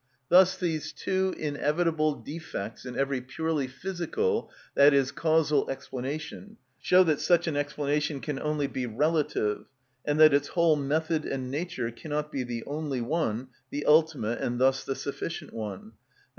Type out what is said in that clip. Thus these two inevitable defects in every purely physical, i.e., causal, explanation show that such an explanation can only be relative, and that its whole method and nature cannot be the only one, the ultimate and thus the sufficient one, _i.